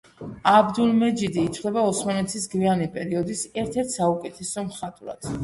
აბდულმეჯიდი ითვლება ოსმალეთის გვიანი პერიოდის ერთ-ერთ საუკეთესო მხატვრად.